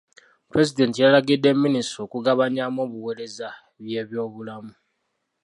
Pulezidenti yalagidde minisitule okugabanyaamu obuweereza by'ebyobulamu.